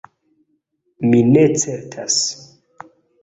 "Mi ne certas."